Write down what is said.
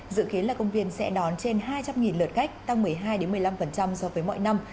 dự kiến là công viên sẽ đón trên hai trăm linh lượt khách tăng một mươi hai một mươi năm so với mọi năm